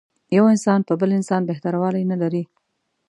یو انسان په بل انسان بهتر والی نه لري.